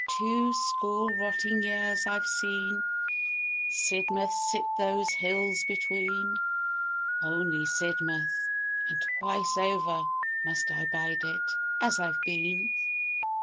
Two score rotting years I've seen Sidmouth sit those hills between: Only Sidmouth and twice over Must I bide it, as I've been.